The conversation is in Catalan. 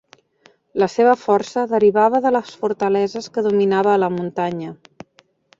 La seva força derivava de les fortaleses que dominava a la muntanya.